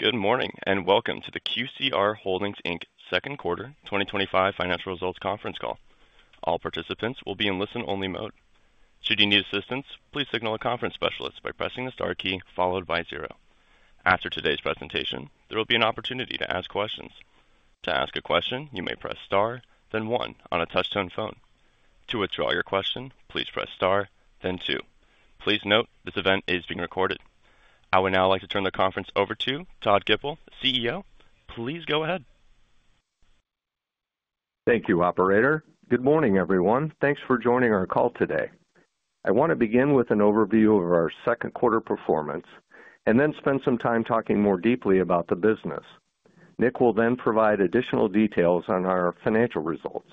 Good morning and welcome to the QCR Holdings, Inc Second Quarter 2025 Financial Results Conference Call. All participants will be in listen-only mode. Should you need assistance, please signal a conference specialist by pressing the star key followed by zero. After today's presentation, there will be an opportunity to ask questions. To ask a question, you may press star, then one on a touch-tone phone. To withdraw your question, please press star, then two. Please note this event is being recorded. I would now like to turn the conference over to Todd Gipple, CEO. Please go ahead. Thank you, Operator. Good morning, everyone. Thanks for joining our call today. I want to begin with an overview of our second quarter performance and then spend some time talking more deeply about the business. Nick will then provide additional details on our financial results.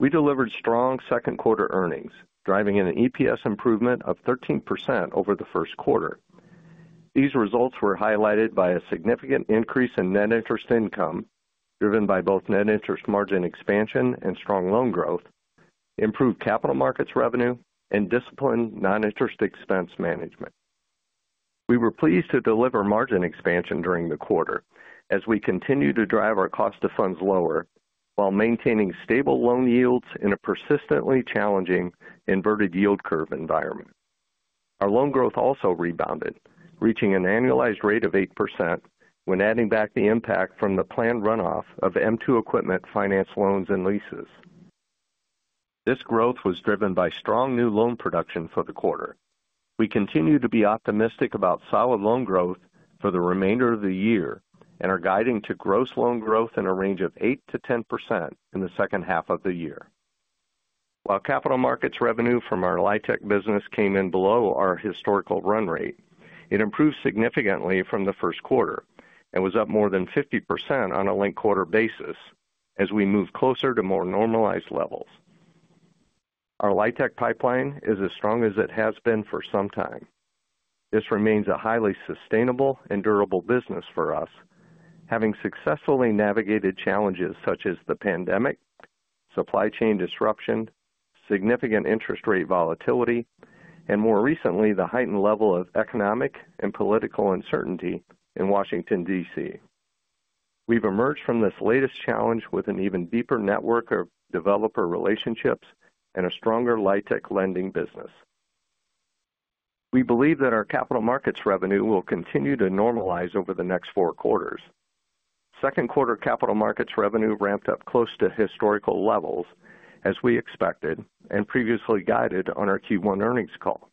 We delivered strong second quarter earnings, driving an EPS improvement of 13% over the first quarter. These results were highlighted by a significant increase in net interest income, driven by both net interest margin expansion and strong loan growth, improved capital markets revenue, and disciplined non-interest expense management. We were pleased to deliver margin expansion during the quarter, as we continue to drive our cost of funds lower while maintaining stable loan yields in a persistently challenging inverted yield curve environment. Our loan growth also rebounded, reaching an annualized rate of 8% when adding back the impact from the planned runoff of m2 Equipment Finance loans and leases. This growth was driven by strong new loan production for the quarter. We continue to be optimistic about solid loan growth for the remainder of the year and are guiding to gross loan growth in a range of 8 to 10% in the second half of the year. While capital markets revenue from our LIHTC business came in below our historical run rate, it improved significantly from the first quarter and was up more than 50% on a late quarter basis as we move closer to more normalized levels. Our LIHTC pipeline is as strong as it has been for some time. This remains a highly sustainable and durable business for us, having successfully navigated challenges such as the pandemic, supply chain disruption, significant interest rate volatility, and more recently, the heightened level of economic and political uncertainty in Washington, D.C. We've emerged from this latest challenge with an even deeper network of developer relationships and a stronger LIHTC lending business. We believe that our capital markets revenue will continue to normalize over the next four quarters. Second quarter capital markets revenue ramped up close to historical levels, as we expected and previously guided on our Q1 earnings call.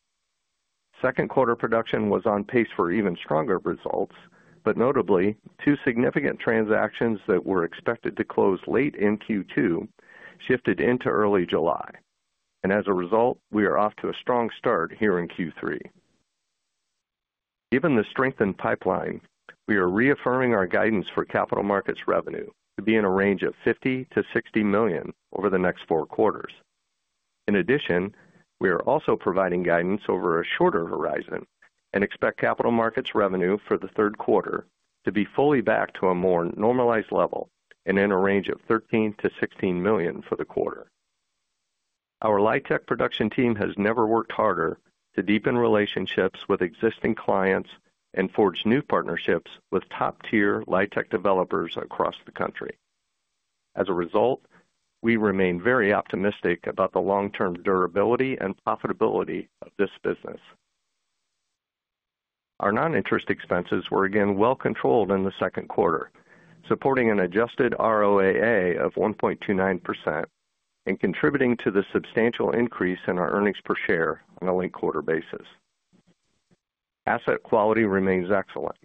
Second quarter production was on pace for even stronger results, but notably, two significant transactions that were expected to close late in Q2 shifted into early July, and as a result, we are off to a strong start here in Q3. Given the strengthened pipeline, we are reaffirming our guidance for capital markets revenue to be in a range of $50 million to $60 million over the next four quarters. In addition, we are also providing guidance over a shorter horizon and expect capital markets revenue for the third quarter to be fully back to a more normalized level and in a range of $13 million to $16 million for the quarter. Our LIHTC production team has never worked harder to deepen relationships with existing clients and forge new partnerships with top-tier LIHTC developers across the country. As a result, we remain very optimistic about the long-term durability and profitability of this business. Our non-interest expenses were again well controlled in the second quarter, supporting an adjusted ROAA of 1.29% and contributing to the substantial increase in our earnings per share on a late quarter basis. Asset quality remains excellent.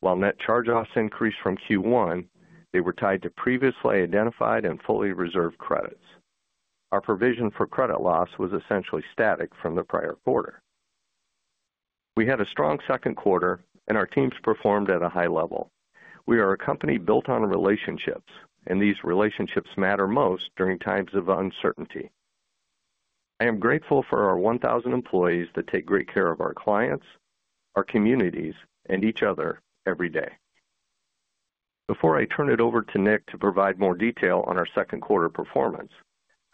While net charge-offs increased from Q1, they were tied to previously identified and fully reserved credits. Our provision for credit loss was essentially static from the prior quarter. We had a strong second quarter, and our teams performed at a high level. We are a company built on relationships, and these relationships matter most during times of uncertainty. I am grateful for our 1,000 employees that take great care of our clients, our communities, and each other every day. Before I turn it over to Nick to provide more detail on our second quarter performance,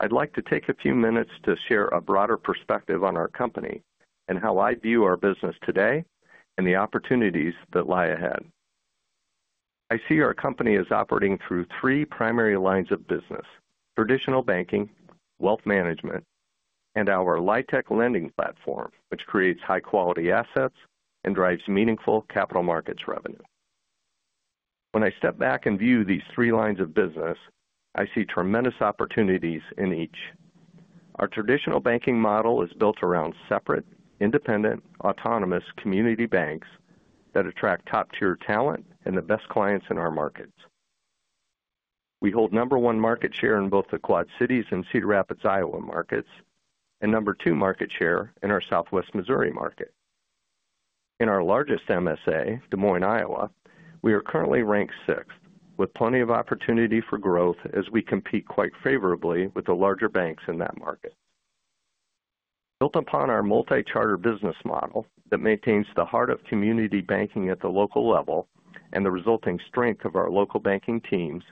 I'd like to take a few minutes to share a broader perspective on our company and how I view our business today and the opportunities that lie ahead. I see our company as operating through three primary lines of business: traditional banking, wealth management, and our LIHTC lending platform, which creates high-quality assets and drives meaningful capital markets revenue. When I step back and view these three lines of business, I see tremendous opportunities in each. Our traditional banking model is built around separate, independent, autonomous community banks that attract top-tier talent and the best clients in our markets. We hold number one market share in both the Quad Cities and Cedar Rapids, Iowa markets, and number two market share in our Southwest Missouri market. In our largest MSA, Des Moines, Iowa, we are currently ranked sixth, with plenty of opportunity for growth as we compete quite favorably with the larger banks in that market. Built upon our multi-charter business model that maintains the heart of community banking at the local level and the resulting strength of our local banking teams,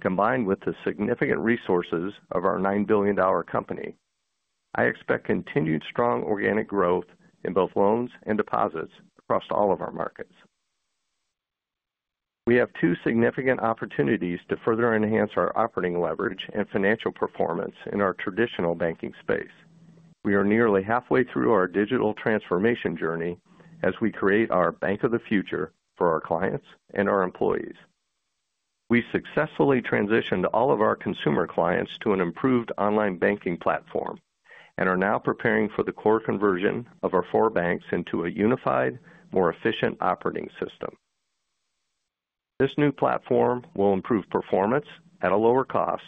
combined with the significant resources of our $9 billion company, I expect continued strong organic growth in both loans and deposits across all of our markets. We have two significant opportunities to further enhance our operating leverage and financial performance in our traditional banking space. We are nearly halfway through our digital transformation journey as we create our Bank of the Future for our clients and our employees. We successfully transitioned all of our consumer clients to an improved online banking platform and are now preparing for the core system conversion of our four banks into a unified, more efficient operating system. This new platform will improve performance at a lower cost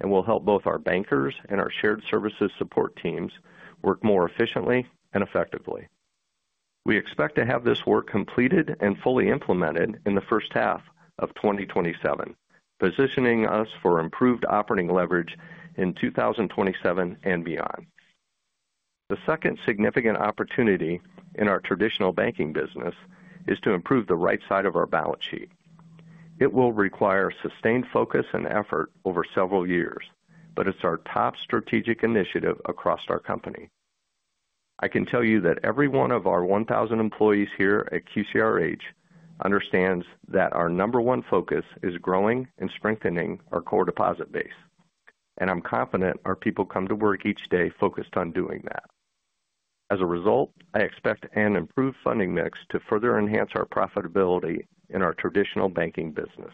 and will help both our bankers and our shared services support teams work more efficiently and effectively. We expect to have this work completed and fully implemented in the first half of 2027, positioning us for improved operating leverage in 2027 and beyond. The second significant opportunity in our traditional banking business is to improve the right side of our balance sheet. It will require sustained focus and effort over several years, but it's our top strategic initiative across our company. I can tell you that every one of our 1,000 employees here at QCRH understands that our number one focus is growing and strengthening our core deposit base, and I'm confident our people come to work each day focused on doing that. As a result, I expect an improved funding mix to further enhance our profitability in our traditional banking business.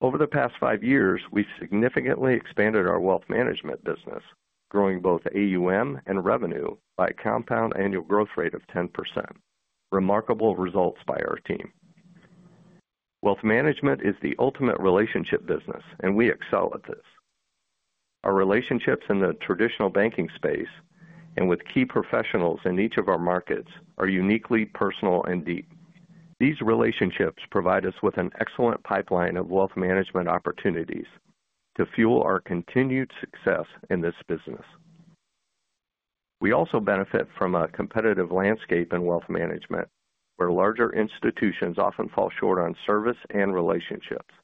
Over the past five years, we significantly expanded our wealth management business, growing both AUM and revenue by a compound annual growth rate of 10%, remarkable results by our team. Wealth management is the ultimate relationship business, and we excel at this. Our relationships in the traditional banking space and with key professionals in each of our markets are uniquely personal and deep. These relationships provide us with an excellent pipeline of wealth management opportunities to fuel our continued success in this business. We also benefit from a competitive landscape in wealth management, where larger institutions often fall short on service and relationships,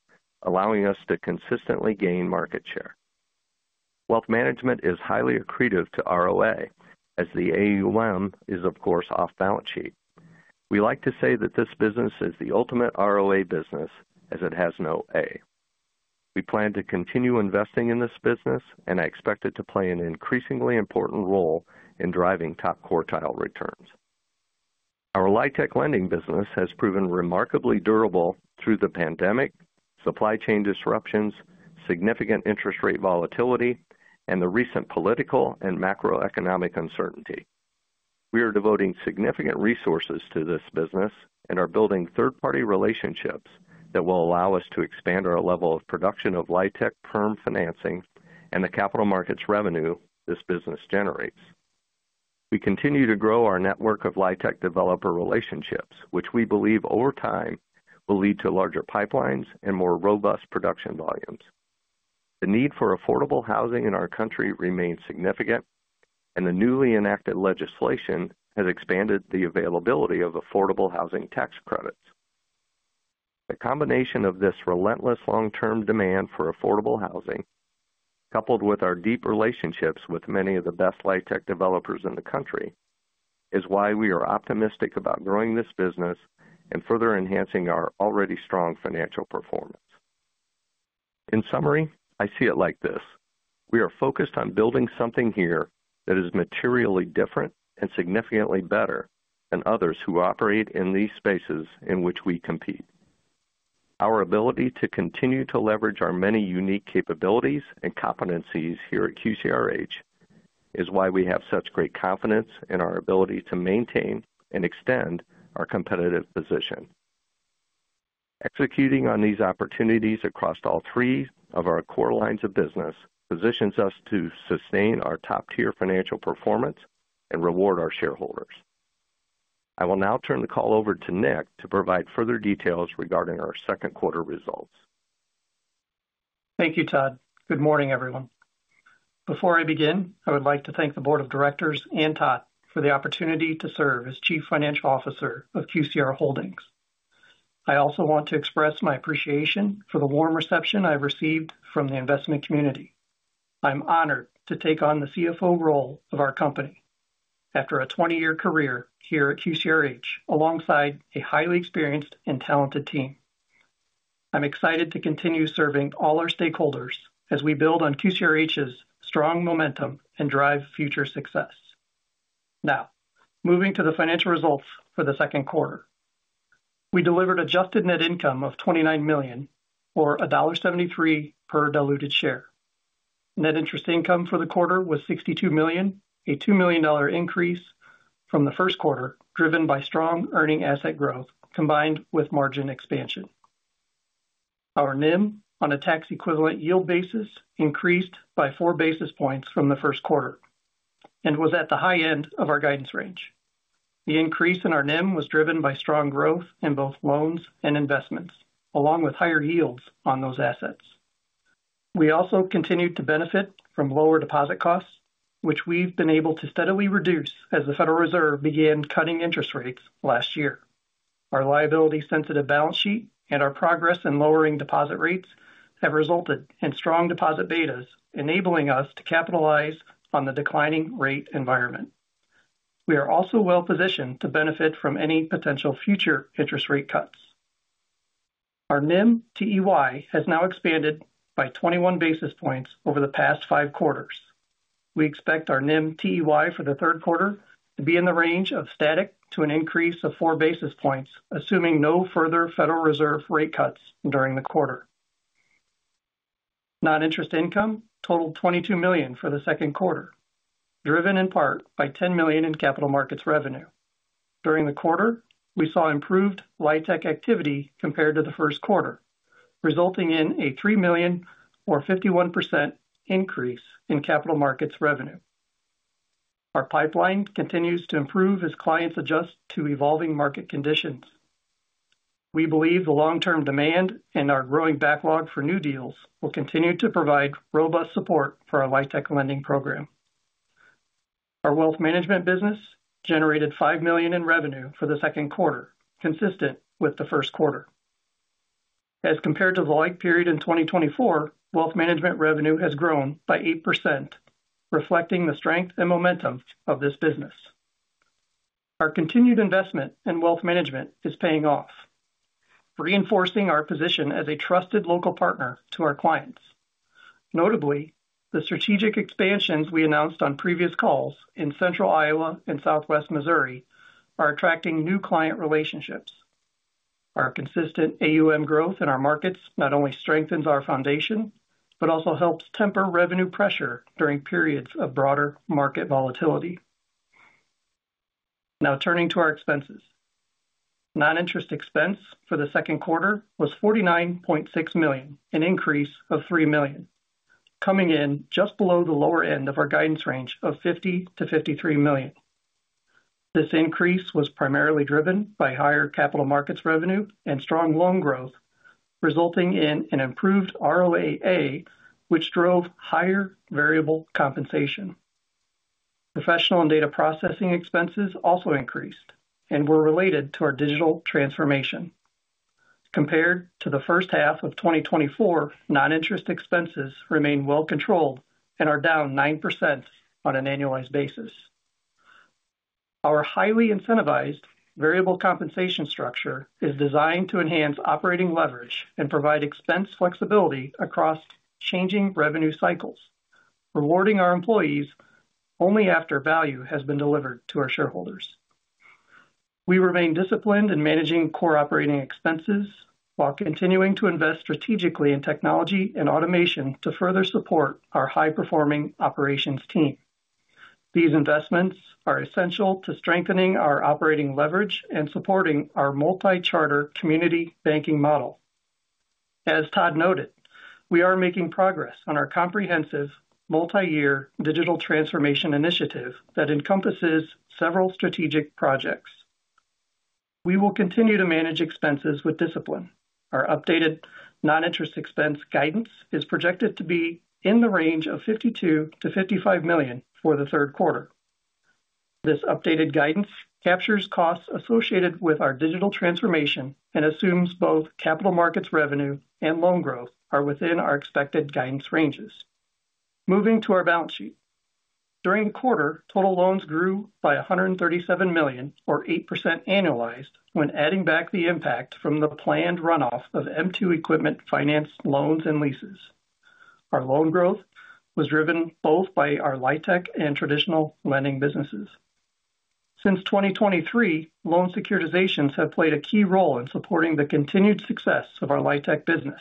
allowing us to consistently gain market share. Wealth management is highly accretive to ROA, as the assets under management are, of course, off balance sheet. We like to say that this business is the ultimate ROA business, as it has no assets. We plan to continue investing in this business, and I expect it to play an increasingly important role in driving top quartile returns. Our LIHTC lending business has proven remarkably durable through the pandemic, supply chain disruptions, significant interest rate volatility, and the recent political and macroeconomic uncertainty. We are devoting significant resources to this business and are building third-party relationships that will allow us to expand our level of production of LIHTC permanent financing and the capital markets revenue this business generates. We continue to grow our network of LIHTC developer relationships, which we believe over time will lead to larger pipelines and more robust production volumes. The need for affordable housing in our country remains significant, and the newly enacted legislation has expanded the availability of affordable housing tax credits. The combination of this relentless long-term demand for affordable housing, coupled with our deep relationships with many of the best LIHTC developers in the country, is why we are optimistic about growing this business and further enhancing our already strong financial performance. In summary, I see it like this: we are focused on building something here that is materially different and significantly better than others who operate in these spaces in which we compete. Our ability to continue to leverage our many unique capabilities and competencies here at QCRH is why we have such great confidence in our ability to maintain and extend our competitive position. Executing on these opportunities across all three of our core lines of business positions us to sustain our top-tier financial performance and reward our shareholders. I will now turn the call over to Nick to provide further details regarding our second quarter results. Thank you, Todd. Good morning, everyone. Before I begin, I would like to thank the Board of Directors and Todd for the opportunity to serve as Chief Financial Officer of QCR Holdings. I also want to express my appreciation for the warm reception I've received from the investment community. I'm honored to take on the CFO role of our company after a 20-year career here at QCR Holdings, alongside a highly experienced and talented team. I'm excited to continue serving all our stakeholders as we build on QCR Holdings' strong momentum and drive future success. Now, moving to the financial results for the second quarter, we delivered adjusted net income of $29 million, or $1.73 per diluted share. Net interest income for the quarter was $62 million, a $2 million increase from the first quarter, driven by strong earning asset growth combined with margin expansion. Our NIM on a tax-equivalent yield basis increased by four basis points from the first quarter and was at the high end of our guidance range. The increase in our NIM was driven by strong growth in both loans and investments, along with higher yields on those assets. We also continued to benefit from lower deposit costs, which we've been able to steadily reduce as the Federal Reserve began cutting interest rates last year. Our liability-sensitive balance sheet and our progress in lowering deposit rates have resulted in strong deposit betas, enabling us to capitalize on the declining rate environment. We are also well positioned to benefit from any potential future interest rate cuts. Our NIM (TEY) has now expanded by 21 basis points over the past five quarters. We expect our NIM (TEY) for the third quarter to be in the range of static to an increase of four basis points, assuming no further Federal Reserve rate cuts during the quarter. Non-interest income totaled $22 million for the second quarter, driven in part by $10 million in capital markets revenue. During the quarter, we saw improved LIHTC activity compared to the first quarter, resulting in a $3 million, or 51% increase in capital markets revenue. Our pipeline continues to improve as clients adjust to evolving market conditions. We believe the long-term demand and our growing backlog for new deals will continue to provide robust support for our LIHTC lending program. Our wealth management business generated $5 million in revenue for the second quarter, consistent with the first quarter. As compared to the lag period in 2024, wealth management revenue has grown by 8%, reflecting the strength and momentum of this business. Our continued investment in wealth management is paying off, reinforcing our position as a trusted local partner to our clients. Notably, the strategic expansions we announced on previous calls in Central Iowa and Southwest Missouri are attracting new client relationships. Our consistent AUM growth in our markets not only strengthens our foundation but also helps temper revenue pressure during periods of broader market volatility. Now, turning to our expenses, non-interest expense for the second quarter was $49.6 million, an increase of $3 million, coming in just below the lower end of our guidance range of $50 to $53 million. This increase was primarily driven by higher capital markets revenue and strong loan growth, resulting in an improved adjusted ROAA, which drove higher variable compensation. Professional and data processing expenses also increased and were related to our digital transformation. Compared to the first half of 2024, non-interest expenses remain well controlled and are down 9% on an annualized basis. Our highly incentivized variable compensation structure is designed to enhance operating leverage and provide expense flexibility across changing revenue cycles, rewarding our employees only after value has been delivered to our shareholders. We remain disciplined in managing core operating expenses while continuing to invest strategically in technology and automation to further support our high-performing operations team. These investments are essential to strengthening our operating leverage and supporting our multi-charter community banking model. As Todd noted, we are making progress on our comprehensive multi-year digital transformation initiative that encompasses several strategic projects. We will continue to manage expenses with discipline. Our updated non-interest expense guidance is projected to be in the range of $52 to $55 million for the third quarter. This updated guidance captures costs associated with our digital transformation and assumes both capital markets revenue and loan growth are within our expected guidance ranges. Moving to our balance sheet, during the quarter, total loans grew by $137 million, or 8% annualized, when adding back the impact from the planned runoff of m2 Equipment Finance loans and leases. Our loan growth was driven both by our LIHTC lending platform and traditional lending businesses. Since 2023, loan securitizations have played a key role in supporting the continued success of our LIHTC business,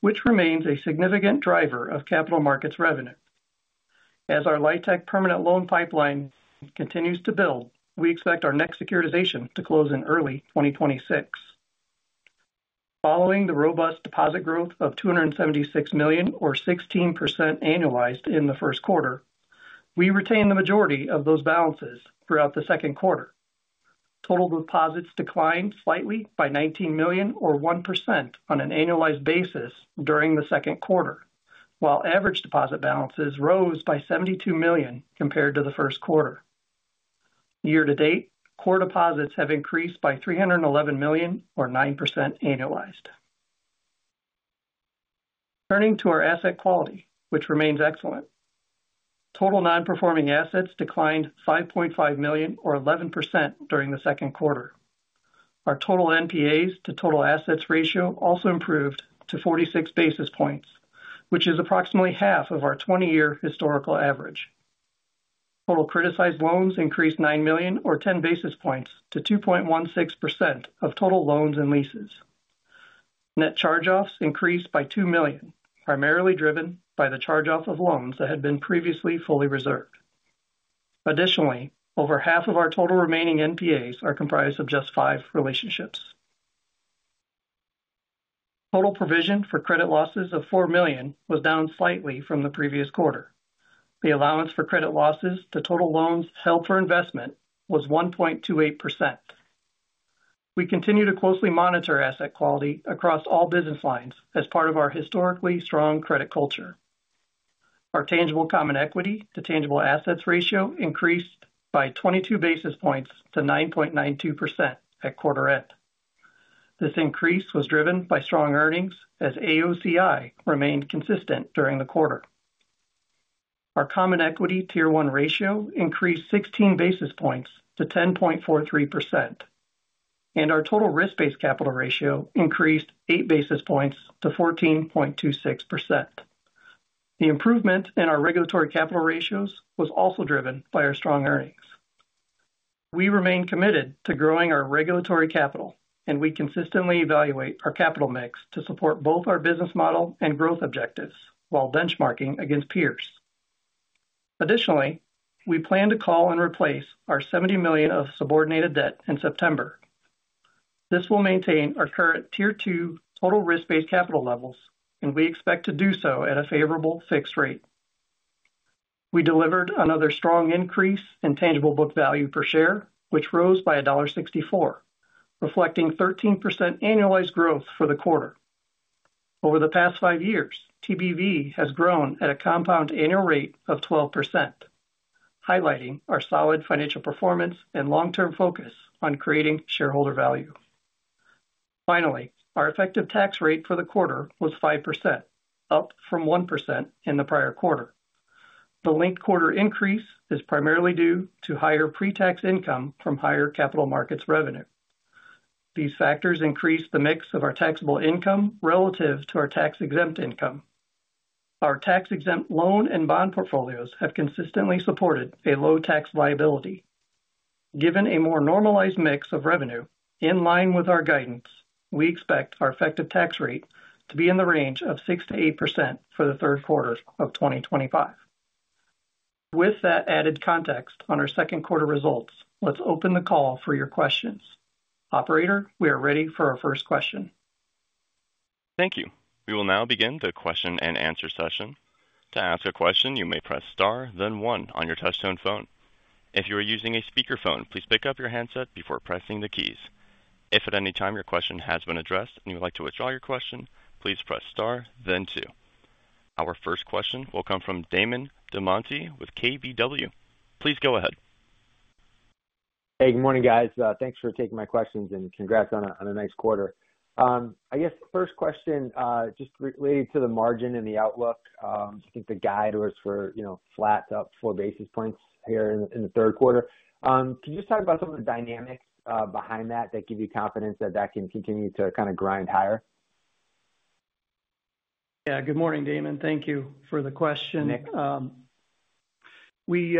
which remains a significant driver of capital markets revenue. As our LIHTC permanent loan pipeline continues to build, we expect our next securitization to close in early 2026. Following the robust deposit growth of $276 million, or 16% annualized in the first quarter, we retained the majority of those balances throughout the second quarter. Total deposits declined slightly by $19 million, or 1% on an annualized basis during the second quarter, while average deposit balances rose by $72 million compared to the first quarter. Year-to-date, core deposits have increased by $311 million, or 9% annualized. Turning to our asset quality, which remains excellent, total non-performing assets declined $5.5 million, or 11% during the second quarter. Our total NPAs to total assets ratio also improved to 46 basis points, which is approximately half of our 20-year historical average. Total criticized loans increased $9 million, or 10 basis points, to 2.16% of total loans and leases. Net charge-offs increased by $2 million, primarily driven by the charge-off of loans that had been previously fully reserved. Additionally, over half of our total remaining NPAs are comprised of just five relationships. Total provision for credit losses of $4 million was down slightly from the previous quarter. The allowance for credit losses to total loans held for investment was 1.28%. We continue to closely monitor asset quality across all business lines as part of our historically strong credit culture. Our tangible common equity to tangible assets ratio increased by 22 basis points to 9.92% at quarter end. This increase was driven by strong earnings, as AUCI remained consistent during the quarter. Our common equity tier one ratio increased 16 basis points to 10.43%, and our total risk-based capital ratio increased 8 basis points to 14.26%. The improvement in our regulatory capital ratios was also driven by our strong earnings. We remain committed to growing our regulatory capital, and we consistently evaluate our capital mix to support both our business model and growth objectives while benchmarking against peers. Additionally, we plan to call and replace our $70 million of subordinated debt in September. This will maintain our current tier two total risk-based capital levels, and we expect to do so at a favorable fixed rate. We delivered another strong increase in tangible book value per share, which rose by $1.64, reflecting 13% annualized growth for the quarter. Over the past five years, tangible book value has grown at a compound annual rate of 12%, highlighting our solid financial performance and long-term focus on creating shareholder value. Finally, our effective tax rate for the quarter was 5%, up from 1% in the prior quarter. The linked quarter increase is primarily due to higher pre-tax income from higher capital markets revenue. These factors increase the mix of our taxable income relative to our tax-exempt income. Our tax-exempt loan and bond portfolios have consistently supported a low tax liability. Given a more normalized mix of revenue, in line with our guidance, we expect our effective tax rate to be in the range of 6% to 8% for the third quarter of 2025. With that added context on our second quarter results, let's open the call for your questions. Operator, we are ready for our first question. Thank you. We will now begin the Q&A session. To ask a question, you may press star, then one on your touch-tone phone. If you are using a speakerphone, please pick up your handset before pressing the keys. If at any time your question has been addressed and you would like to withdraw your question, please press star, then two. Our first question will come from Damon DelMonte with KBW. Please go ahead. Hey, good morning, guys. Thanks for taking my questions and congrats on a nice quarter. I guess the first question just related to the margin and the outlook. I think the guide was for flat to up 4 basis points here in the third quarter. Could you just talk about some of the dynamic behind that that gives you confidence that that can continue to kind of grind higher? Yeah, good morning, Damon. Thank you for the question. We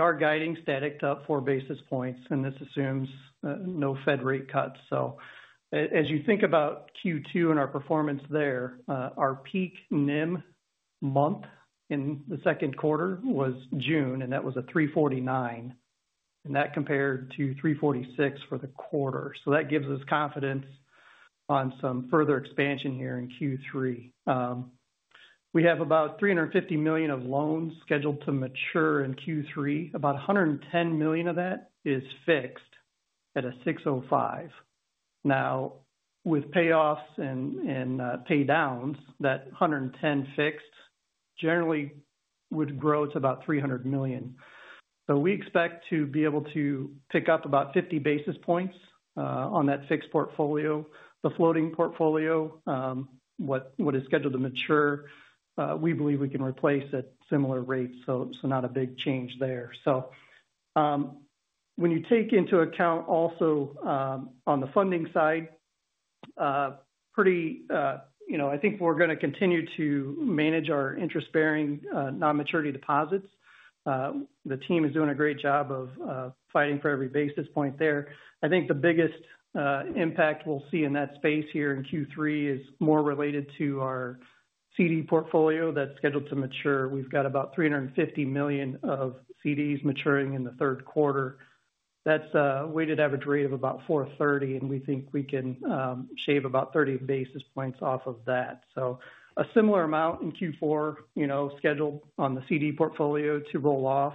are guiding static to up 4 basis points, and this assumes no Fed rate cuts. As you think about Q2 and our performance there, our peak NIM month in the second quarter was June, and that was a 3.49, and that compared to 3.46 for the quarter. That gives us confidence on some further expansion here in Q3. We have about $350 million of loans scheduled to mature in Q3. About $110 million of that is fixed at a 6.05. Now, with payoffs and paydowns, that $110 million fixed generally would grow to about $300 million. We expect to be able to pick up about 50 basis points on that fixed portfolio. The floating portfolio, what is scheduled to mature, we believe we can replace at similar rates, not a big change there. When you take into account also on the funding side, I think we're going to continue to manage our interest-bearing non-maturity deposits. The team is doing a great job of fighting for every basis point there. I think the biggest impact we'll see in that space here in Q3 is more related to our CD portfolio that's scheduled to mature. We've got about $350 million of CDs maturing in the third quarter. That's a weighted average rate of about 4.30, and we think we can shave about 30 basis points off of that. A similar amount in Q4 is scheduled on the CD portfolio to roll off,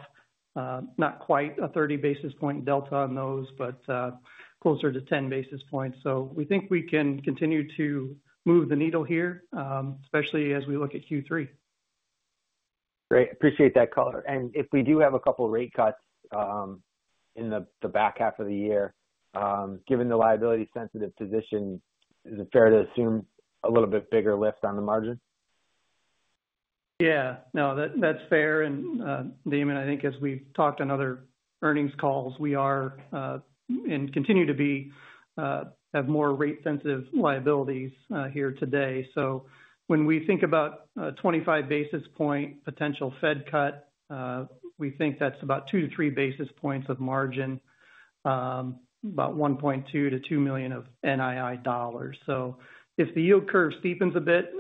not quite a 30 basis point delta on those, but closer to 10 basis points. We think we can continue to move the needle here, especially as we look at Q3. Great. Appreciate that call. If we do have a couple of rate cuts in the back half of the year, given the liability-sensitive position, is it fair to assume a little bit bigger lift on the margin? Yeah, no, that's fair. Damon, I think as we've talked on other earnings calls, we are and continue to have more rate-sensitive liabilities here today. When we think about a 25 basis point potential Federal Reserve cut, we think that's about two to three basis points of margin, about $1.2 to $2 million of NII dollars. If the yield curve steepens a bit,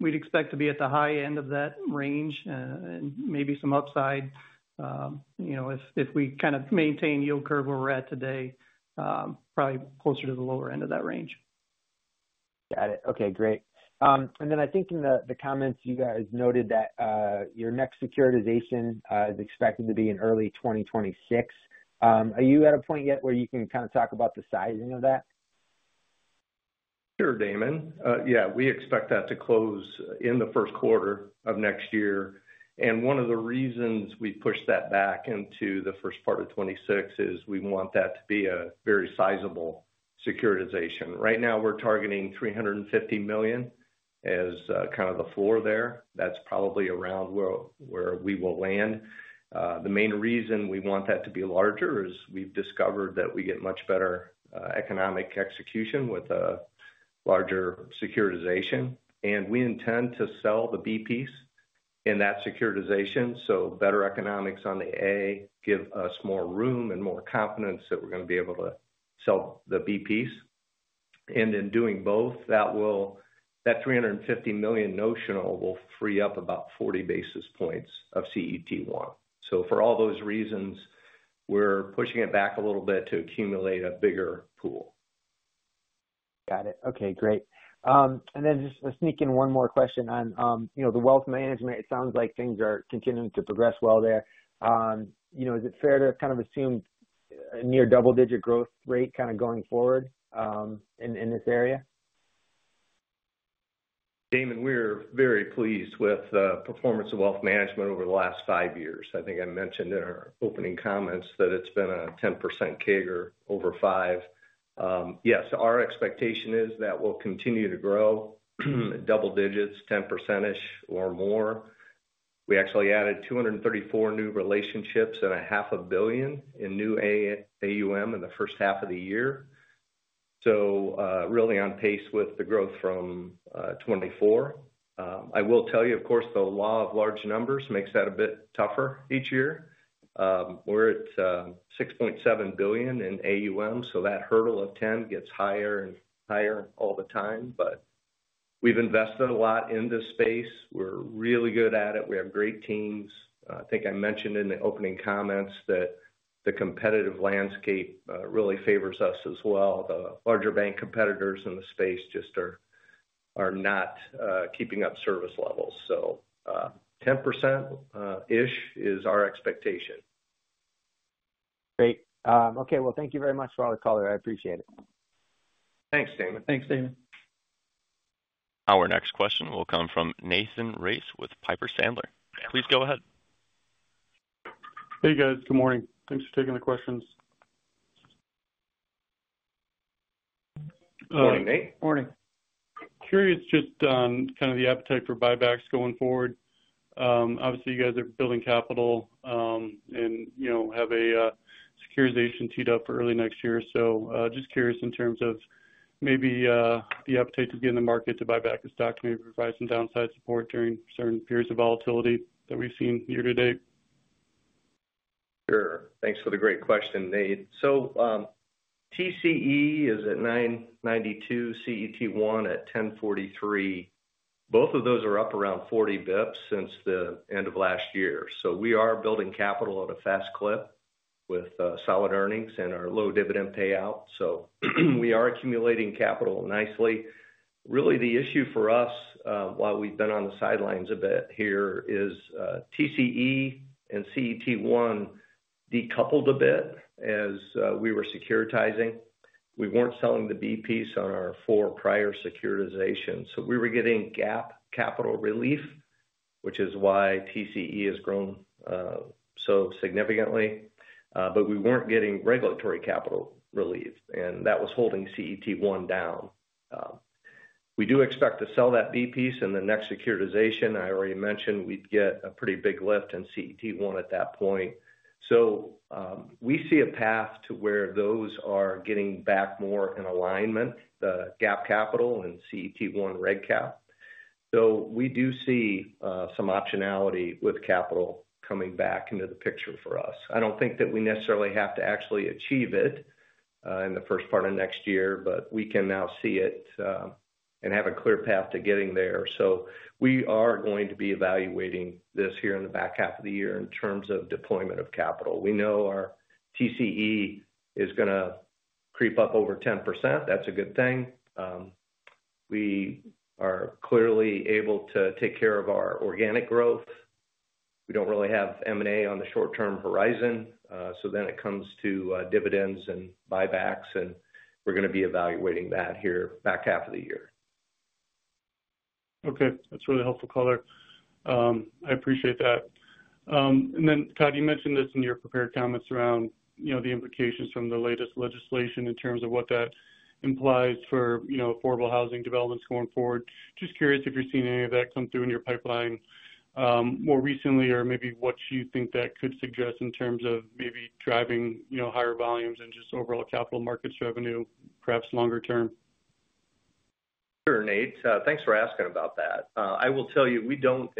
we'd expect to be at the high end of that range and maybe some upside. If we kind of maintain yield curve where we're at today, probably closer to the lower end of that range. Got it. Okay, great. I think in the comments, you guys noted that your next securitization is expected to be in early 2026. Are you at a point yet where you can kind of talk about the sizing of that? Sure, Damon. Yeah, we expect that to close in the first quarter of next year. One of the reasons we pushed that back into the first part of 2026 is we want that to be a very sizable securitization. Right now, we're targeting $350 million as kind of the floor there. That's probably around where we will land. The main reason we want that to be larger is we've discovered that we get much better economic execution with a larger securitization. We intend to sell the B piece in that securitization. Better economics on the A give us more room and more confidence that we're going to be able to sell the B piece. In doing both, that $350 million notional will free up about 40 basis points of CET1. For all those reasons, we're pushing it back a little bit to accumulate a bigger pool. Got it. Okay, great. Just sneak in one more question on the wealth management. It sounds like things are continuing to progress well there. Is it fair to kind of assume a near double-digit growth rate kind of going forward in this area? Damon, we're very pleased with the performance of wealth management over the last five years. I think I mentioned in our opening comments that it's been a 10% CAGR over five. Yes, our expectation is that we'll continue to grow double digits, 10%-ish or more. We actually added 234 new relationships and a half a billion in new AUM in the first half of the year. Really on pace with the growth from 2024. I will tell you, of course, the law of large numbers makes that a bit tougher each year. We're at $6.7 billion in AUM, so that hurdle of 10 gets higher and higher all the time. We've invested a lot in this space. We're really good at it. We have great teams. I think I mentioned in the opening comments that the competitive landscape really favors us as well. The larger bank competitors in the space just are not keeping up service levels. 10%-ish is our expectation. Great. Okay, thank you very much for the call. I appreciate it. Thanks, Damon. Thanks, Damon. Our next question will come from Nathan Race with Piper Sandler. Please go ahead. Hey, guys. Good morning. Thanks for taking the questions. Morning, Nate. Morning. Curious just on kind of the appetite for buybacks going forward. Obviously, you guys are building capital and, you know, have a securitization teed up for early next year. Just curious in terms of maybe the appetite to get in the market to buy back the stock, maybe provide some downside support during certain periods of volatility that we've seen year to date. Sure. Thanks for the great question, Nate. TCE is at $9.92, CET1 at $10.43. Both of those are up around 40 bps since the end of last year. We are building capital at a fast clip with solid earnings and our low dividend payout. We are accumulating capital nicely. Really, the issue for us, while we've been on the sidelines a bit here, is TCE and CET1 decoupled a bit as we were securitizing. We weren't selling the B piece on our four prior securitizations. We were getting GAAP capital relief, which is why TCE has grown so significantly, but we weren't getting regulatory capital relief, and that was holding CET1 down. We do expect to sell that B piece in the next securitization. I already mentioned we'd get a pretty big lift in CET1 at that point. We see a path to where those are getting back more in alignment, the GAAP capital and CET1 reg cap. We do see some optionality with capital coming back into the picture for us. I don't think that we necessarily have to actually achieve it in the first part of next year, but we can now see it and have a clear path to getting there. We are going to be evaluating this here in the back half of the year in terms of deployment of capital. We know our TCE is going to creep up over 10%. That's a good thing. We are clearly able to take care of our organic growth. We don't really have M&A on the short-term horizon. It comes to dividends and buybacks, and we're going to be evaluating that here back half of the year. Okay, that's really helpful, caller. I appreciate that. Todd, you mentioned this in your prepared comments around the implications from the latest legislation in terms of what that implies for affordable housing developments going forward. Just curious if you're seeing any of that come through in your pipeline more recently or maybe what you think that could suggest in terms of maybe driving higher volumes and just overall capital markets revenue, perhaps longer term. Sure, Nate. Thanks for asking about that. I will tell you, we don't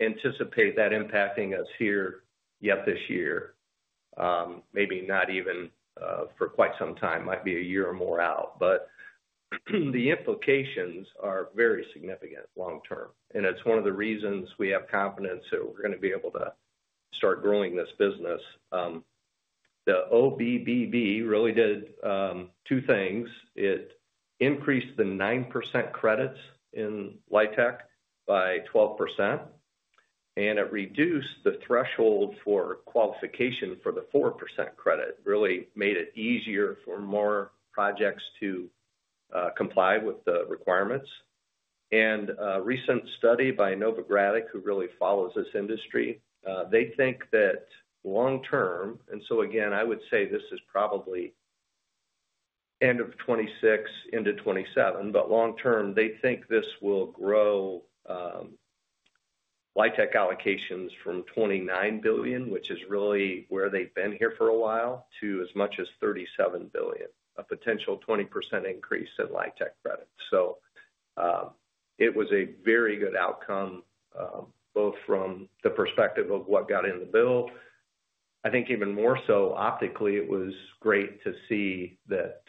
anticipate that impacting us here yet this year, maybe not even for quite some time. It might be a year or more out. The implications are very significant long term, and it's one of the reasons we have confidence that we're going to be able to start growing this business. The OBBB really did two things. It increased the 9% credits in LIHTC by 12%, and it reduced the threshold for qualification for the 4% credit. It really made it easier for more projects to comply with the requirements. A recent study by Novogradac, who really follows this industry, thinks that long term, and again, I would say this is probably end of 2026, end of 2027, but long term, they think this will grow LIHTC allocations from $29 billion, which is really where they've been here for a while, to as much as $37 billion, a potential 20% increase in LIHTC credit. It was a very good outcome, both from the perspective of what got in the bill. I think even more so, optically, it was great to see that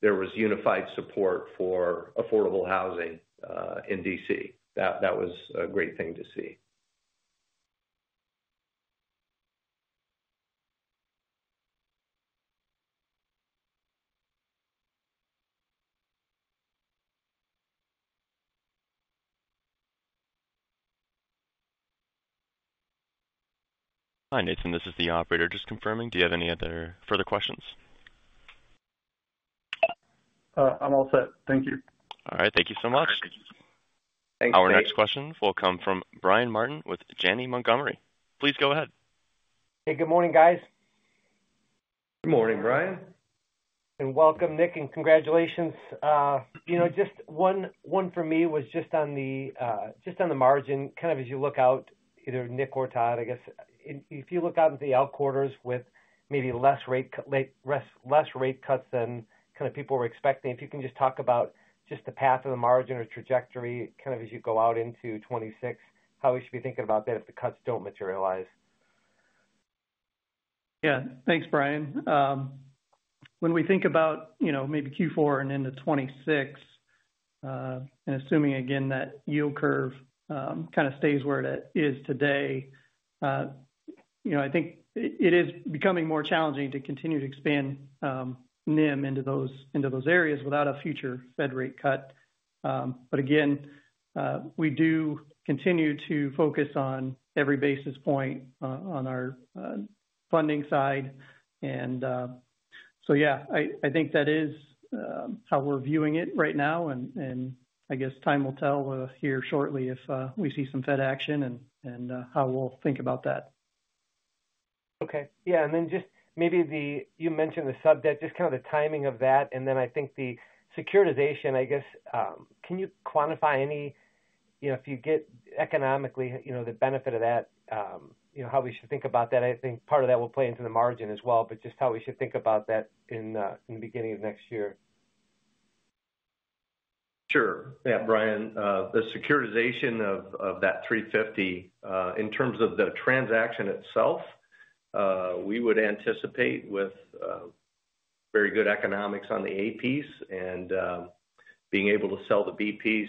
there was unified support for affordable housing in D.C. That was a great thing to see. Hi, Nathan. This is the operator. Just confirming, do you have any other further questions? I'm all set. Thank you. All right, thank you so much. Thank you. Our next question will come from Brian Martin with Janney Montgomery. Please go ahead. Hey, good morning, guys. Good morning, Brian. Welcome, Nick, and congratulations. Just one for me was just on the margin, kind of as you look out, either Nick or Todd, I guess, if you look out into the out-quarters with maybe less rate cuts than kind of people were expecting, if you can just talk about just the path of the margin or trajectory, kind of as you go out into 2026, how we should be thinking about that if the cuts don't materialize. Yeah, thanks, Brian. When we think about, you know, maybe Q4 and into 2026, and assuming again that yield curve kind of stays where it is today, I think it is becoming more challenging to continue to expand NIM into those areas without a future Fed rate cut. Again, we do continue to focus on every basis point on our funding side. I think that is how we're viewing it right now. I guess time will tell here shortly if we see some Federal Reserve action and how we'll think about that. Okay. Yeah. You mentioned the sub debt, just kind of the timing of that. I think the securitization, can you quantify any, you know, if you get economically, you know, the benefit of that, how we should think about that? I think part of that will play into the margin as well, just how we should think about that in the beginning of next year. Sure. Yeah, Brian, the securitization of that $350 in terms of the transaction itself, we would anticipate with very good economics on the A piece and being able to sell the B piece,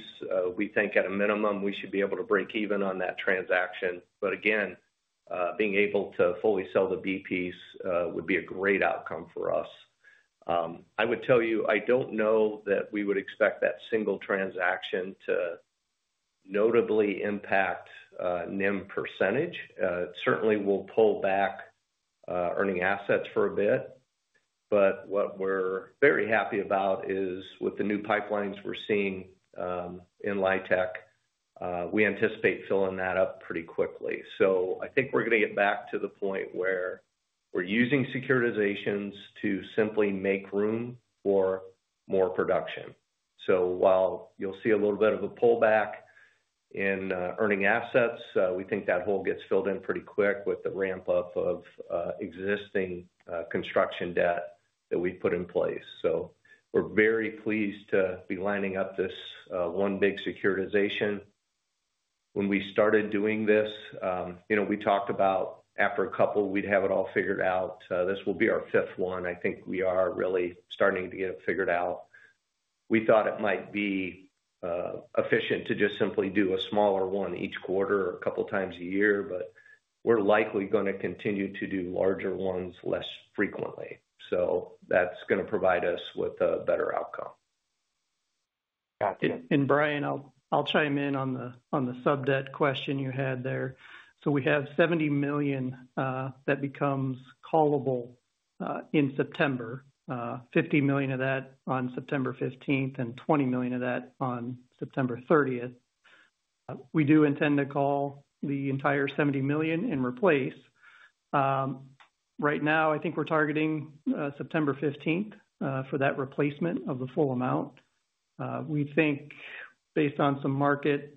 we think at a minimum we should be able to break even on that transaction. Again, being able to fully sell the B piece would be a great outcome for us. I would tell you, I don't know that we would expect that single transaction to notably impact NIM percentage. It certainly will pull back earning assets for a bit. What we're very happy about is with the new pipelines we're seeing in LIHTC, we anticipate filling that up pretty quickly. I think we're going to get back to the point where we're using securitizations to simply make room for more production. While you'll see a little bit of a pullback in earning assets, we think that hole gets filled in pretty quick with the ramp-up of existing construction debt that we've put in place. We're very pleased to be lining up this one big securitization. When we started doing this, you know, we talked about after a couple, we'd have it all figured out. This will be our fifth one. I think we are really starting to get it figured out. We thought it might be efficient to just simply do a smaller one each quarter or a couple of times a year, but we're likely going to continue to do larger ones less frequently. That's going to provide us with a better outcome. Gotcha. Brian, I'll chime in on the sub-debt question you had there. We have $70 million that becomes callable in September, $50 million of that on September 15, and $20 million of that on September 30. We do intend to call the entire $70 million and replace it. Right now, I think we're targeting September 15 for that replacement of the full amount. We think, based on some market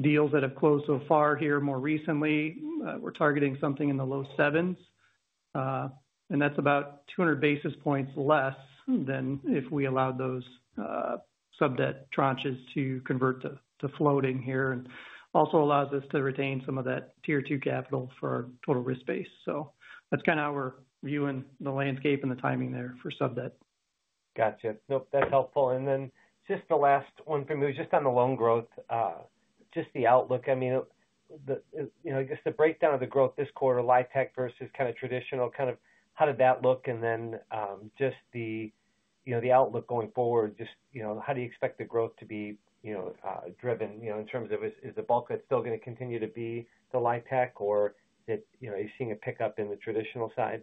deals that have closed so far here more recently, we're targeting something in the low 7%. That's about 200 basis points less than if we allowed those sub debt tranches to convert to floating here and also allows us to retain some of that tier two capital for our total risk base. That's kind of how we're viewing the landscape and the timing there for sub-debt. Gotcha. Nope, that's helpful. Just the last one from you, just on the loan growth, just the outlook. I mean, you know, just the breakdown of the growth this quarter, LIHTC versus kind of traditional, kind of how did that look? Just the outlook going forward, just, you know, how do you expect the growth to be, you know, driven, you know, in terms of is the bulk that's still going to continue to be the LIHTC or that, you know, are you seeing a pickup in the traditional side?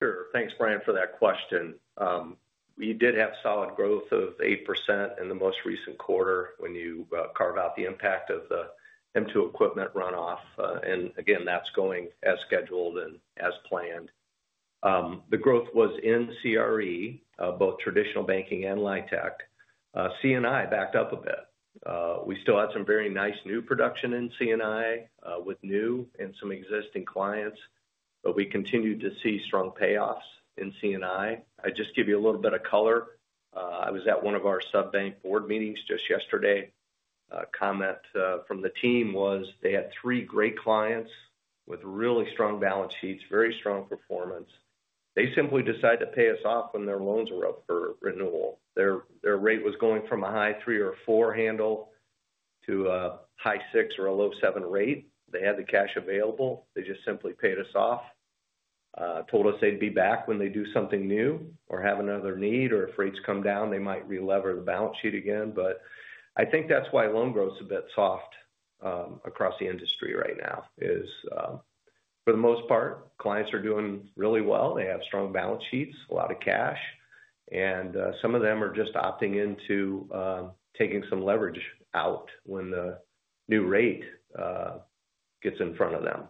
Sure. Thanks, Brian, for that question. We did have solid growth of 8% in the most recent quarter when you carve out the impact of the m2 Equipment Finance runoff. That's going as scheduled and as planned. The growth was in CRE, both traditional banking and LIHTC. C&I backed up a bit. We still had some very nice new production in C&I with new and some existing clients, but we continued to see strong payoffs in C&I. I'll just give you a little bit of color. I was at one of our sub-bank board meetings just yesterday. A comment from the team was they had three great clients with really strong balance sheets, very strong performance. They simply decided to pay us off when their loans were up for renewal. Their rate was going from a high three or four handle to a high six or a low seven rate. They had the cash available. They just simply paid us off. Told us they'd be back when they do something new or have another need, or if rates come down, they might relever the balance sheet again. I think that's why loan growth's a bit soft across the industry right now. For the most part, clients are doing really well. They have strong balance sheets, a lot of cash, and some of them are just opting into taking some leverage out when the new rate gets in front of them.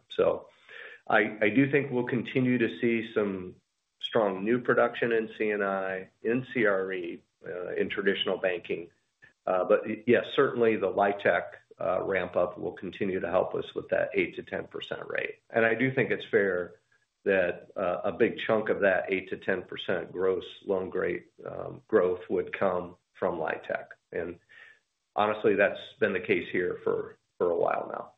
I do think we'll continue to see some strong new production in C&I, in CRE, in traditional banking. Yes, certainly the LIHTC ramp-up will continue to help us with that 8% to 10% rate. I do think it's fair that a big chunk of that 8% to 10% gross loan rate growth would come from LIHTC. Honestly, that's been the case here for a while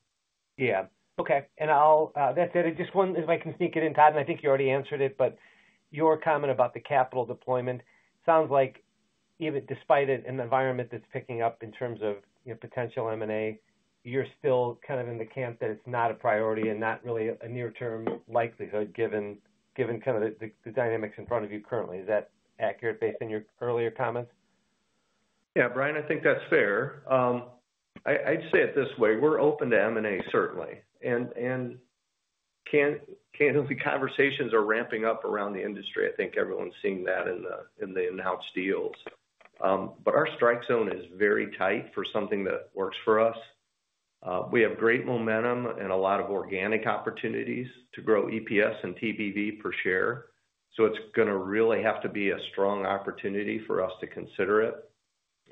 now. Okay. I just want to, if I can sneak it in, Todd, and I think you already answered it, but your comment about the capital deployment sounds like even despite an environment that's picking up in terms of potential M&A, you're still kind of in the camp that it's not a priority and not really a near-term likelihood given kind of the dynamics in front of you currently. Is that accurate based on your earlier comments? Yeah, Brian, I think that's fair. I'd say it this way. We're open to M&A, certainly. Candidly, conversations are ramping up around the industry. I think everyone's seeing that in the announced deals. Our strike zone is very tight for something that works for us. We have great momentum and a lot of organic opportunities to grow EPS and TBV per share. It is going to really have to be a strong opportunity for us to consider it.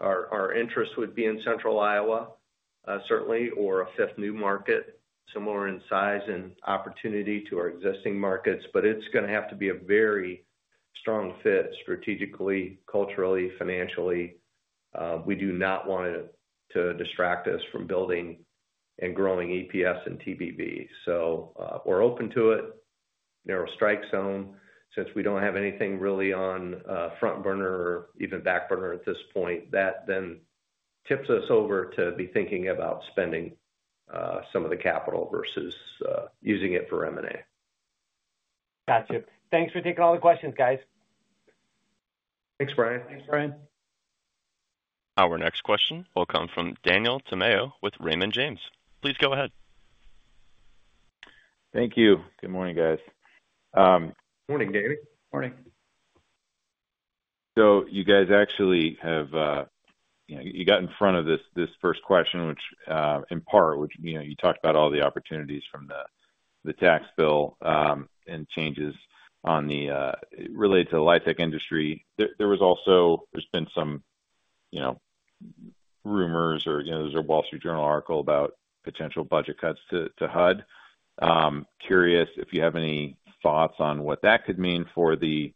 Our interest would be in Central Iowa, certainly, or a fifth new market, similar in size and opportunity to our existing markets. It is going to have to be a very strong fit strategically, culturally, financially. We do not want it to distract us from building and growing EPS and TBV. We're open to it. Narrow strike zone, since we don't have anything really on front burner or even back burner at this point, that then tips us over to be thinking about spending some of the capital versus using it for M&A. Gotcha. Thanks for taking all the questions, guys. Thanks, Brian. Thanks, Brian. Our next question will come from Daniel Tamayo with Raymond James. Please go ahead. Thank you. Good morning, guys. Morning, Daniel. Morning. You actually got in front of this first question, which in part, you talked about all the opportunities from the tax bill and changes related to the LIHTC industry. There has also been some rumors or a Wall Street Journal article about potential budget cuts to HUD. Curious if you have any thoughts on what that could mean for the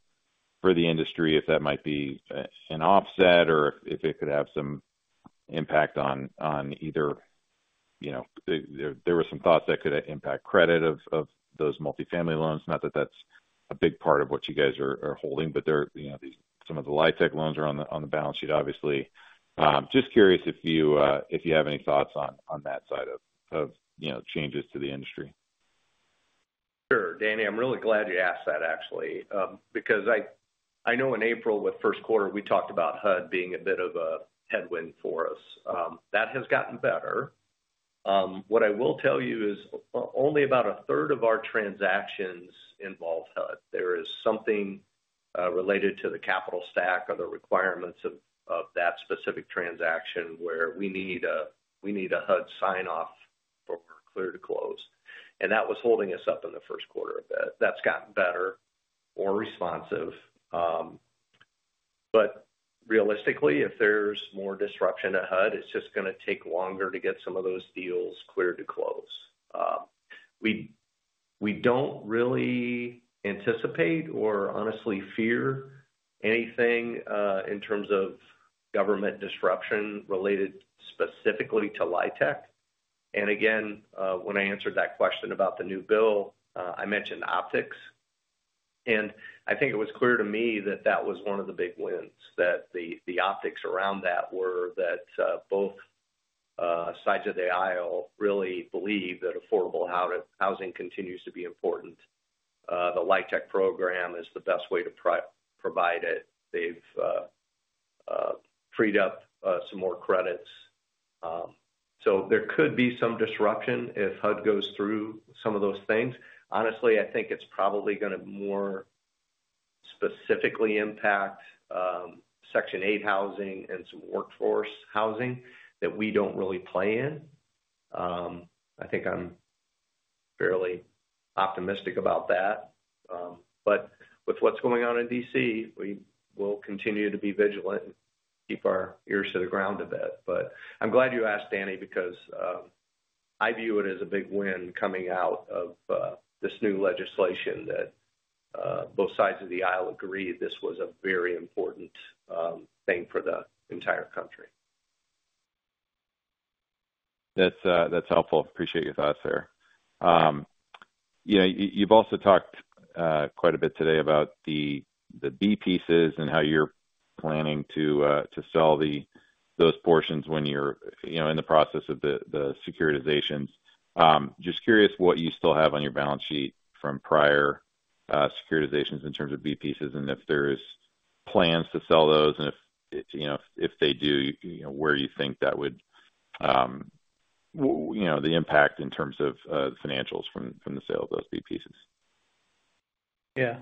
industry, if that might be an offset or if it could have some impact on either, there were some thoughts that could impact credit of those multifamily loans. Not that that's a big part of what you are holding, but some of the LIHTC loans are on the balance sheet, obviously. Just curious if you have any thoughts on that side of changes to the industry? Sure, Danny, I'm really glad you asked that, actually, because I know in April with first quarter, we talked about HUD being a bit of a headwind for us. That has gotten better. What I will tell you is only about a third of our transactions involve HUD. There is something related to the capital stack or the requirements of that specific transaction where we need a HUD sign-off for clear to close. That was holding us up in the first quarter a bit. That's gotten better, more responsive. Realistically, if there's more disruption to HUD, it's just going to take longer to get some of those deals clear to close. We don't really anticipate or honestly fear anything in terms of government disruption related specifically to LIHTC. When I answered that question about the new bill, I mentioned optics. I think it was clear to me that that was one of the big wins, that the optics around that were that both sides of the aisle really believe that affordable housing continues to be important. The LIHTC program is the best way to provide it. They've freed up some more credits. There could be some disruption if HUD goes through some of those things. Honestly, I think it's probably going to more specifically impact Section 8 housing and some workforce housing that we don't really play in. I think I'm fairly optimistic about that. With what's going on in DC, we will continue to be vigilant and keep our ears to the ground a bit. I'm glad you asked, Danny, because I view it as a big win coming out of this new legislation that both sides of the aisle agreed this was a very important thing for the entire country. That's helpful. Appreciate your thoughts there. You've also talked quite a bit today about the B pieces and how you're planning to sell those portions when you're in the process of the securitizations. Just curious what you still have on your balance sheet from prior securitizations in terms of B pieces and if there are plans to sell those and if they do, where you think that would, you know, the impact in terms of the financials from the sale of those B pieces. Yeah.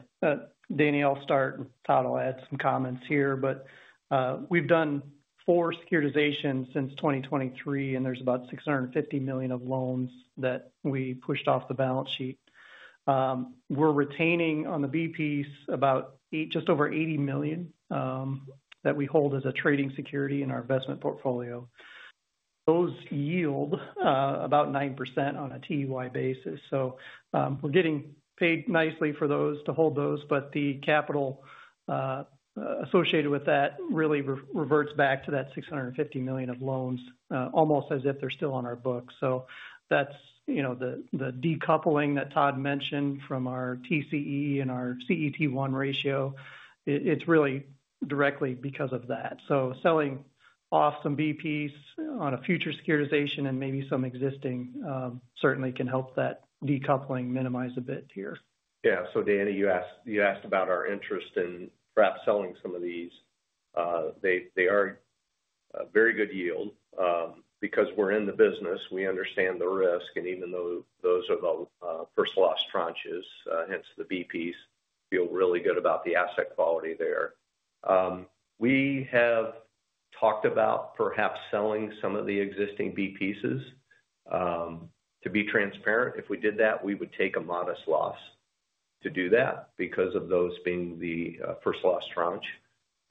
Danny, I'll start and Todd will add some comments here, but we've done four securitizations since 2023, and there's about $650 million of loans that we pushed off the balance sheet. We're retaining on the B piece about just over $80 million that we hold as a trading security in our investment portfolio. Those yield about 9% on a TEY basis. We're getting paid nicely for those to hold those, but the capital associated with that really reverts back to that $650 million of loans, almost as if they're still on our books. That's the decoupling that Todd mentioned from our TCE and our CET1 ratio, it's really directly because of that. Selling off some B piece on a future securitization and maybe some existing certainly can help that decoupling minimize a bit here. Yeah. Danny, you asked about our interest in perhaps selling some of these. They are very good yield because we're in the business. We understand the risk, and even though those are the first loss tranches, hence the B piece, feel really good about the asset quality there. We have talked about perhaps selling some of the existing B pieces. To be transparent, if we did that, we would take a modest loss to do that because of those being the first loss tranche.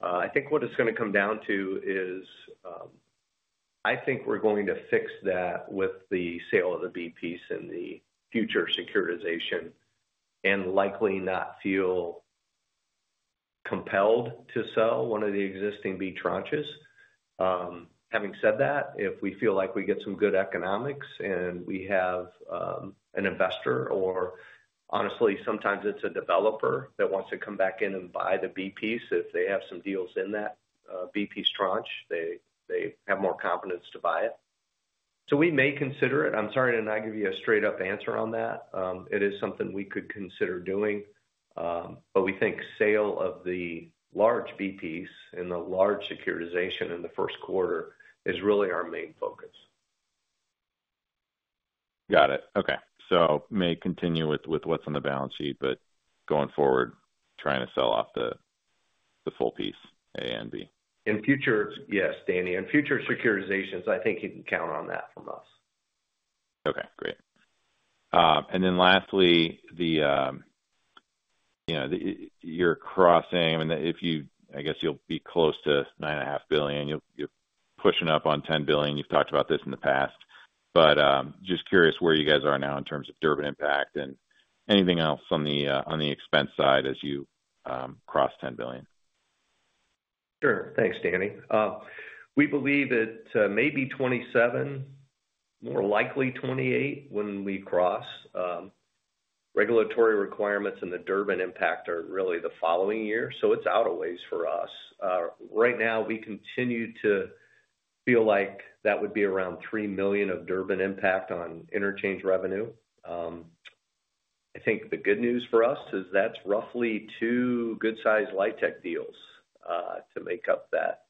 I think what it's going to come down to is I think we're going to fix that with the sale of the B piece and the future securitization and likely not feel compelled to sell one of the existing B tranches. Having said that, if we feel like we get some good economics and we have an investor, or honestly, sometimes it's a developer that wants to come back in and buy the B piece, if they have some deals in that B piece tranche, they have more confidence to buy it. We may consider it. I'm sorry to not give you a straight-up answer on that. It is something we could consider doing. We think sale of the large B piece and the large securitization in the first quarter is really our main focus. Got it. Okay. May continue with what's on the balance sheet, but going forward, trying to sell off the full piece, A and B, in future. Yes, Daniel. In future securitizations, I think you can count on that from us. Okay, great. Lastly, you're crossing, I mean, you'll be close to $9.5 billion. You're pushing up on $10 billion. You've talked about this in the past. Just curious where you guys are now in terms of Durbin Impact and anything else on the expense side as you cross $10 billion. Sure. Thanks, Danny. We believe that maybe $27 million, more likely $28 million when we cross. Regulatory requirements in the Durbin Impact are really the following year, so it's out a ways for us. Right now, we continue to feel like that would be around $3 million of Durbin Impact on interchange revenue. I think the good news for us is that's roughly two good-sized LIHTC deals to make up that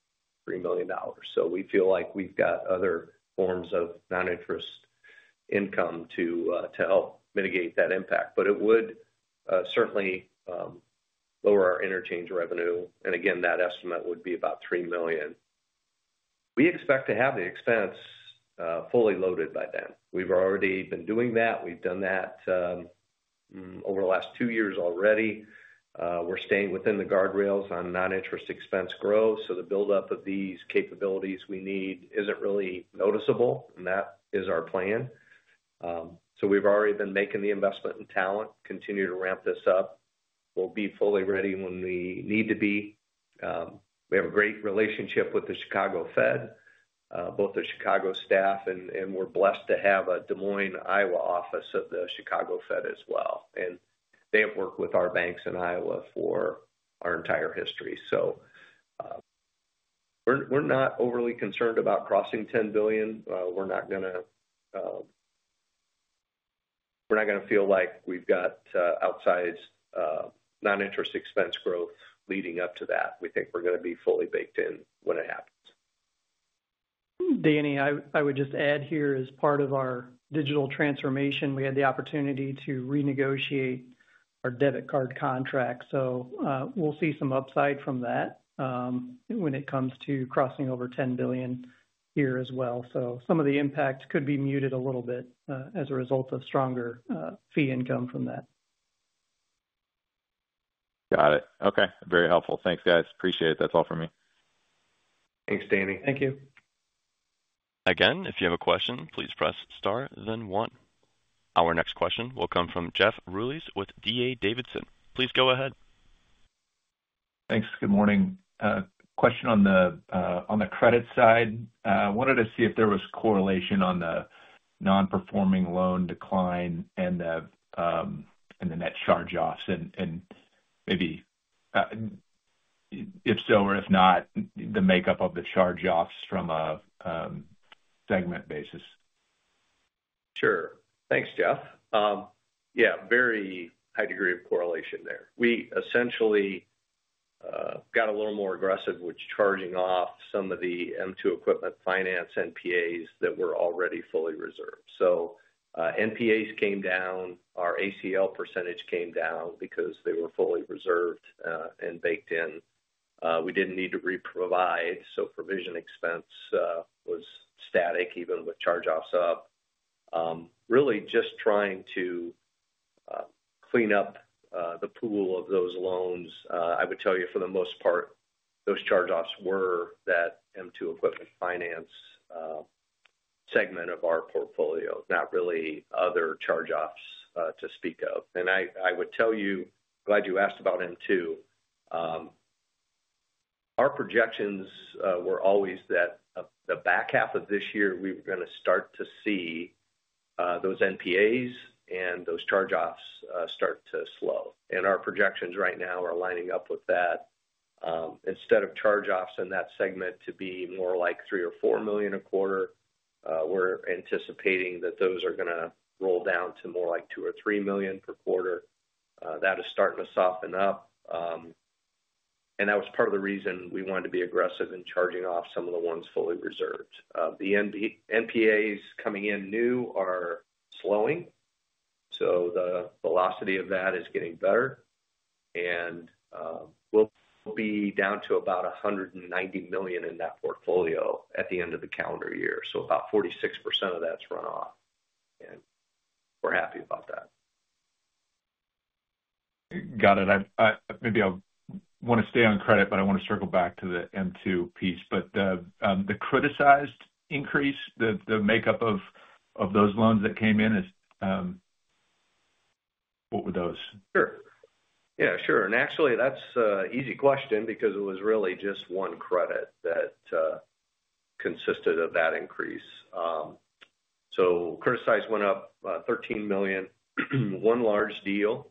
$3 million. We feel like we've got other forms of non-interest income to help mitigate that impact. It would certainly lower our interchange revenue. That estimate would be about $3 million. We expect to have the expense fully loaded by then. We've already been doing that. We've done that over the last two years already. We're staying within the guardrails on non-interest expense growth. The buildup of these capabilities we need isn't really noticeable, and that is our plan. We've already been making the investment in talent, continue to ramp this up. We'll be fully ready when we need to be. We have a great relationship with the Chicago Fed, both the Chicago staff, and we're blessed to have a Des Moines, Iowa office of the Chicago Fed as well. They have worked with our banks in Iowa for our entire history. We're not overly concerned about crossing $10 billion. We're not going to feel like we've got outside non-interest expense growth leading up to that. We think we're going to be fully baked in when it happens. Danny, I would just add here as part of our digital transformation, we had the opportunity to renegotiate our debit card contract. We will see some upside from that when it comes to crossing over $10 billion here as well. Some of the impact could be muted a little bit as a result of stronger fee income from that. Got it. Okay. Very helpful. Thanks, guys. Appreciate it. That's all for me. Thanks, Danny. Thank you. Again, if you have a question, please press star as in one. Our next question will come from Jeff Rulis with D.A. Davidson. Please go ahead. Thanks. Good morning. Question on the credit side. I wanted to see if there was correlation on the non-performing loan decline and the net charge-offs, and maybe, if so or if not, the makeup of the charge-offs from a segment basis. Sure. Thanks, Jeff. Yeah, very high degree of correlation there. We essentially got a little more aggressive with charging off some of the m2 Equipment Finance NPAs that were already fully reserved. NPAs came down. Our ACL % came down because they were fully reserved and baked in. We didn't need to reprovide, so provision expense was static, even with charge-offs up. Really just trying to clean up the pool of those loans. I would tell you, for the most part, those charge-offs were that m2 Equipment Finance segment of our portfolio, not really other charge-offs to speak of. I would tell you, glad you asked about m2. Our projections were always that the back half of this year, we were going to start to see those NPAs and those charge-offs start to slow. Our projections right now are lining up with that. In_stead of charge-offs in that segment to be more like $3 million or $4 million a quarter, we're anticipating that those are going to roll down to more like $2 million or $3 million per quarter. That is starting to soften up. That was part of the reason we wanted to be aggressive in charging off some of the ones fully reserved. The NPAs coming in new are slowing. The velocity of that is getting better. We'll be down to about $190 million in that portfolio at the end of the calendar year. About 46% of that's runoff. We're happy about that. Got it. Maybe I'll want to stay on credit, but I want to circle back to the m2 piece. The criticized increase, the makeup of those loans that came in, what were those? Sure. Yeah, sure. Actually, that's an easy question because it was really just one credit that consisted of that increase. Criticized went up $13 million. One large deal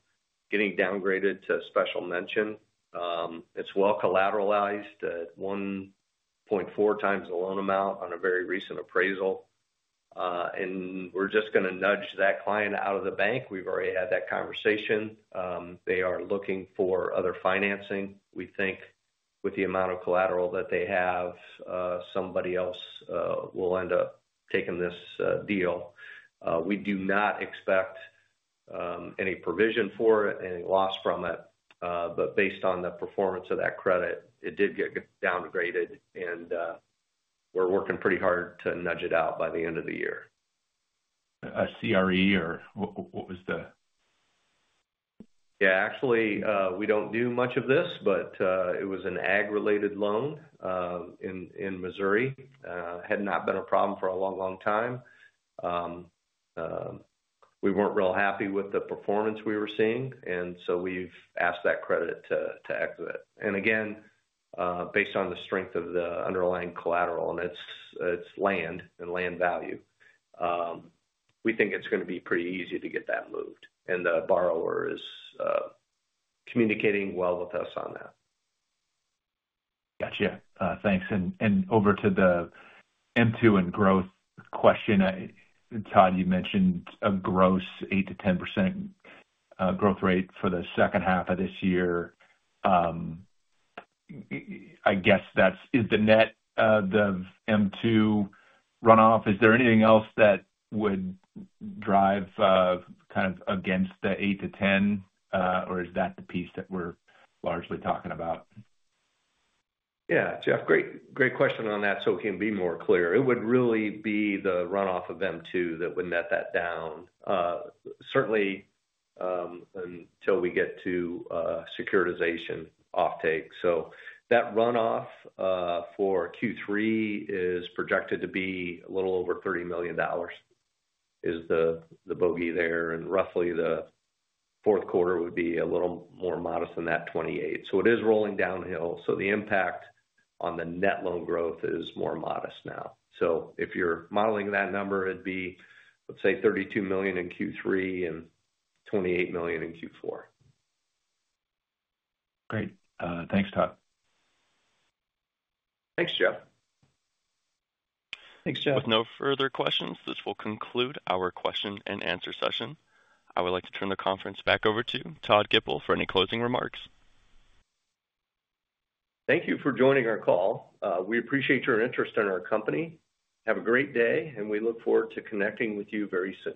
getting downgraded to special mention. It's well collateralized at 1.4 times the loan amount on a very recent appraisal. We're just going to nudge that client out of the bank. We've already had that conversation. They are looking for other financing. We think with the amount of collateral that they have, somebody else will end up taking this deal. We do not expect any provision for it, any loss from it. Based on the performance of that credit, it did get downgraded, and we're working pretty hard to nudge it out by the end of the year. A CRE or what was that? Yeah, actually, we don't do much of this, but it was an ag-related loan in Missouri. It had not been a problem for a long, long time. We weren't real happy with the performance we were seeing, and we've asked that credit to exit. Again, based on the strength of the underlying collateral, and its land and land value, we think it's going to be pretty easy to get that moved. The borrower is communicating well with us on that. Gotcha. Thanks. Over to the m2 and growth question, Todd, you mentioned a gross 8% to 10% growth rate for the second half of this year. I guess that's the net of the m2 runoff. Is there anything else that would drive against the 8% to 10%, or is that the piece that we're largely talking about? Yeah, Jeff, great question on that. To be more clear, it would really be the runoff of m2 that would net that down, certainly until we get to securitization off-take. That runoff for Q3 is projected to be a little over $30 million, is the bogey there. Roughly the fourth quarter would be a little more modest than that, $28 million. It is rolling downhill. The impact on the net loan growth is more modest now. If you're modeling that number, it'd be, let's say, $32 million in Q3 and $28 million in Q4. Great. Thanks, Todd. Thanks, Jeff. Thanks, Jeff. With no further questions, this will conclude our Q&A session. I would like to turn the conference back over to Todd Gipple for any closing remarks. Thank you for joining our call. We appreciate your interest in our company. Have a great day, and we look forward to connecting with you very soon.